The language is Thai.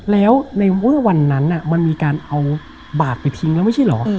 แล้วในเมื่อวันนั้นมันมีการเอาบาดไปทิ้งแล้วไม่ใช่เหรอ